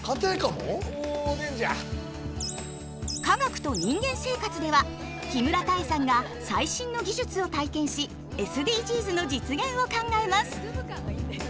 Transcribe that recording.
「科学と人間生活」では木村多江さんが最新の技術を体験しＳＤＧｓの実現を考えます。